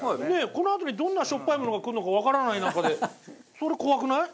このあとにどんなしょっぱいものがくるのかわからない中でそれ怖くない？